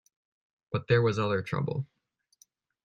But there was other trouble.